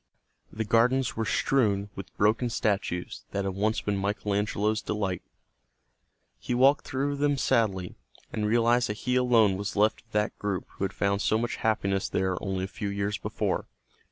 The gardens were strewn with broken statues that had once been Michael Angelo's delight. He walked through them sadly, and realized that he alone was left of that group who had found so much happiness there only a few years before.